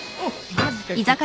マジか！